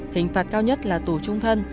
hình phạt cao nhất là tù trung thân